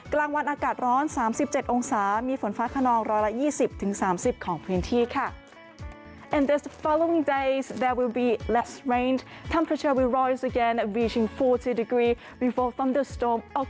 กลางวันอากาศร้อน๓๗องศามีฝนฟ้าขนอง๑๒๐๓๐ของพื้นที่ค่ะ